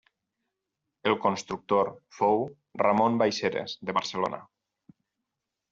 El constructor fou Ramon Baixeres, de Barcelona.